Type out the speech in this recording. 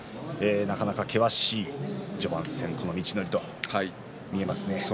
なかなか険しい序盤戦この道のりと見えますね。